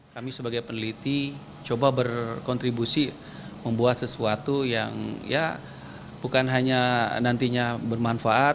kami sebagai peneliti coba berkontribusi membuat sesuatu yang ya bukan hanya nantinya bermanfaat